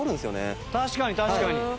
確かに確かに。